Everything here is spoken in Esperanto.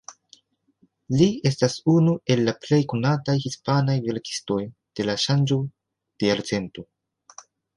Li estas unu el la plej konataj hispanaj verkistoj de la ŝanĝo de jarcento.